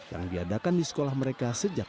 yang diadakan di sekolah mereka sejak dua ribu sepuluh